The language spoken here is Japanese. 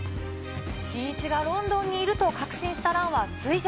新一がロンドンにいると確信した蘭は追跡。